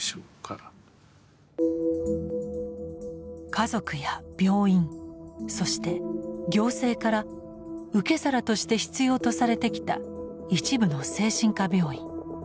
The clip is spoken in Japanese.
家族や病院そして行政から受け皿として必要とされてきた一部の精神科病院。